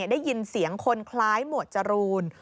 ได้ยินเสียงคนคล้ายหมวดจรูน